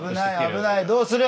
どうする！